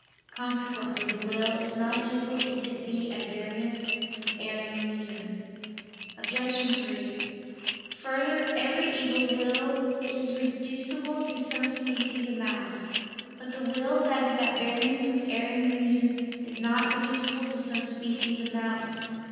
Consequently the will is not evil if it be at variance with erring reason. Obj. 3: Further, every evil will is reducible to some species of malice. But the will that is at variance with erring reason is not reducible to some species of malice.